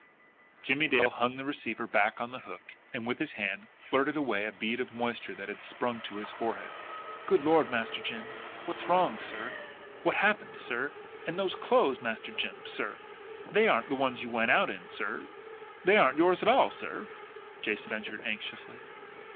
Jimmie Dale hung the receiver back on the hook and with his hand flirted away a bead of moisture that had sprung to his forehead. "Good Lord, Master Jim, what's wrong, sir? What's happened, sir? And and those clothes, Master Jim, sir! They aren't the ones you went out in, sir they aren't yours at all, sir!" Jason ventured anxiously.